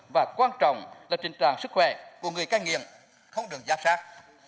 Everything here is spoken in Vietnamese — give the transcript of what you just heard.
và quan trọng là trình trạng sức khỏe của người cao nghiện không được giáp sát